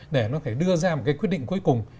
để nó có thể đưa ra một quyết định cuối cùng